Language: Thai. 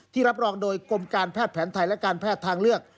รับรองโดยกรมการแพทย์แผนไทยและการแพทย์ทางเลือก